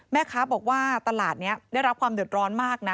แม่ค้าบอกว่าตลาดนี้ได้รับความเดือดร้อนมากนะ